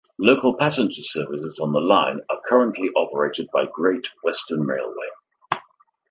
Local passenger services on the line are currently operated by Great Western Railway.